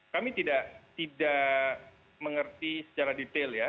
kami tidak mengerti secara detail ya